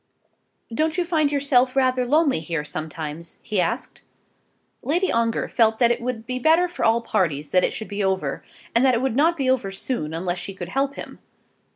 "Don't you find yourself rather lonely here sometimes?" he asked. Lady Ongar felt that it would be better for all parties that it should be over, and that it would not be over soon unless she could help him.